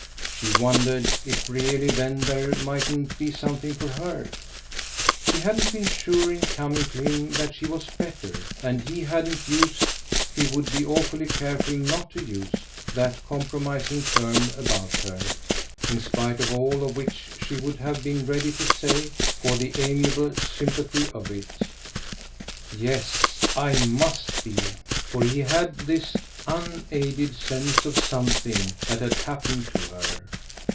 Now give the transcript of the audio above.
She wondered if really then there mightn't be something for her. She hadn't been sure in coming to him that she was "better," and he hadn't used, he would be awfully careful not to use, that compromising term about her; in spite of all of which she would have been ready to say, for the amiable sympathy of it, "Yes, I MUST be," for he had this unaided sense of something that had happened to her.